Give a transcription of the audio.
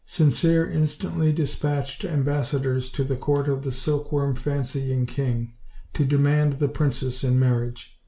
Sincere instantly dis patched ambassadors to the court of the silkworm fancying king, to demand the princess in marriage.